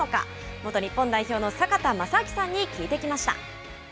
元日本代表の坂田正彰さんに聞いてきました。